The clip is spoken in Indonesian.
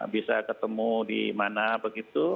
bisa ketemu di mana begitu